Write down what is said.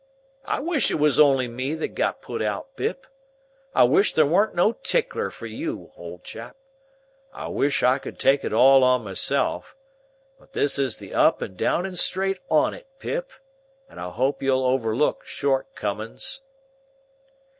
I wish it was only me that got put out, Pip; I wish there warn't no Tickler for you, old chap; I wish I could take it all on myself; but this is the up and down and straight on it, Pip, and I hope you'll overlook shortcomings."